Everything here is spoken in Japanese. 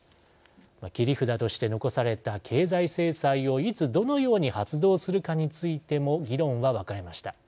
切り札として残された経済制裁をいつ、どのように発動するかについても議論は分かれました。